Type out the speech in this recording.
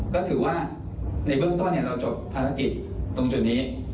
ก็ถือว่าในเบื้องต้นเราจบภารกิจตรงจุดนี้